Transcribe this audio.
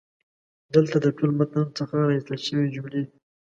دلته د ټول متن څخه را ایستل شوي جملې دي: